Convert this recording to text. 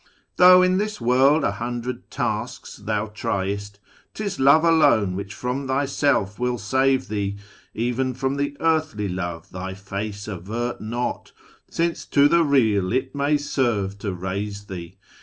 Though in this world a hundred tasks thou tryest, 'Tis love alone which from thyself will save thee. Even from earthly love thy face avert not, Since to the Real it may serve to raise thee.